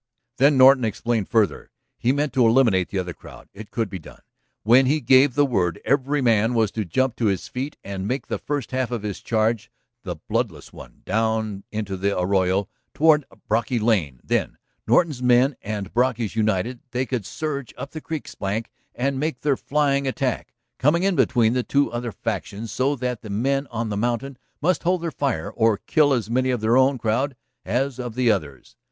Then Norton explained further. He meant to eliminate the other crowd; it could be done. When he gave the word every man was to jump to his feet and make the first half of his charge the bloodless one down into the arroyo toward Brocky Lane. Then, Norton's men and Brocky's united, they could surge up the creek's banks and make their flying attack, coming in between the two other factions so that the men on the mountain must hold their fire or kill as many of their own crowd as of the others.